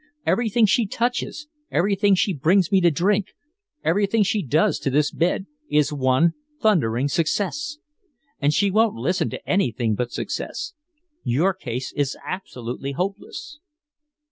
Everything she touches, everything she brings me to drink, everything she does to this bed, is one thundering success. And she won't listen to anything but success. Your case is absolutely hopeless."